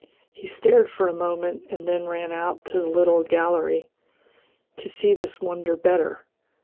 He stared for a moment and then ran out to the little gallery to see this wonder better.